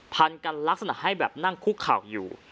พันกันลักษณะให้แบบนั่งคุกเข่าอยู่